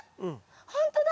ほんとだ！